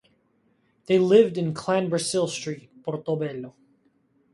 They lived in Clanbrassil Street, Portobello.